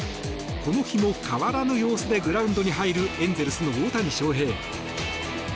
この日も変わらぬ様子でグラウンドに入るエンゼルスの大谷翔平。